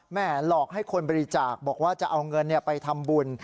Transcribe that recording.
หลอกให้คนบริจาคบอกว่าจะเอาเงินไปทำบุญ